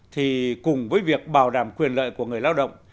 thì cùng với việc bảo đảm quyền lợi của người lao động